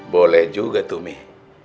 boleh juga tuh mih